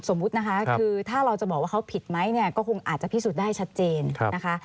นะคะคือถ้าเราจะบอกว่าเขาผิดไหมเนี่ยก็คงอาจจะพิสูจน์ได้ชัดเจนนะคะ